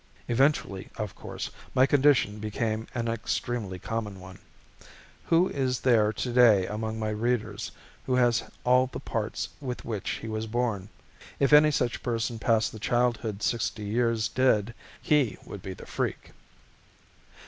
Eventually, of course, my condition became an extremely common one. Who is there today among my readers who has all the parts with which he was born? If any such person past the childhood sixty years did, he would be the freak.